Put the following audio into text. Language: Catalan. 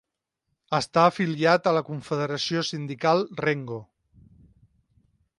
Està afiliat a la Confederació Sindical Rengo.